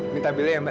minta beli ya mbak